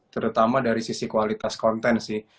terutama dari sisi kualitas konten sih